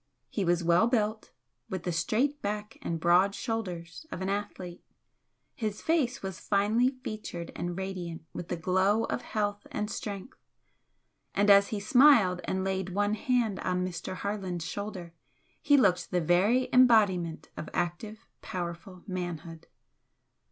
He was well built, with the straight back and broad shoulders of an athlete, his face was finely featured and radiant with the glow of health and strength, and as he smiled and laid one hand on Mr. Harland's shoulder he looked the very embodiment of active, powerful manhood.